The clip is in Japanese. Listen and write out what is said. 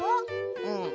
うん。